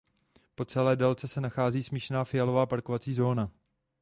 Po celé délce se nachází smíšená fialová parkovací zóna.